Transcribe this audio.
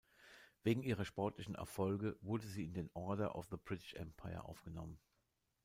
Wegen ihrer sportlichen Erfolge wurde sie in den Order of the British Empire aufgenommen.